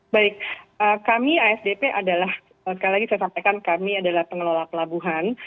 baik kami asdp adalah sekali lagi saya sampaikan kami adalah pengelola pelabuhan